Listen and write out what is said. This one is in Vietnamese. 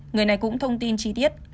người này cũng thông tin chi tiết